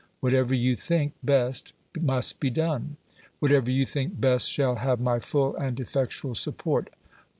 Whatever you think best must be done. Whatever you think best shall have my full and effectual support.